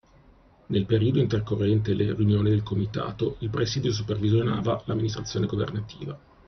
Nel periodo intercorrente le riunioni del Comitato, il Presidio supervisionava l'amministrazione governativa.